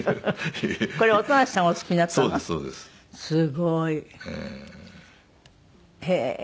すごい。